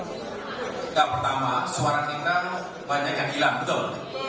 kita pertama suara kita banyak yang hilang betul